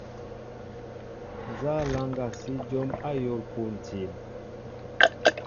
Nza laŋga si jǒm ayȏl pȗntil ?